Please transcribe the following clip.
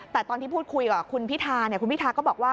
แต่ตอนที่พูดคุยกับคุณพิธาคุณพิทาก็บอกว่า